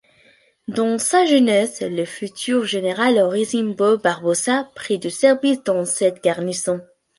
Dans sa jeunesse, le futur général Orozimbo Barbosa prit du service dans cette garnison.